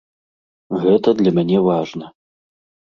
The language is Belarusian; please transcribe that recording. Гэта для мяне важна.